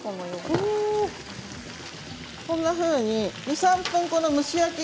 こんなふうに２、３分、蒸し焼き。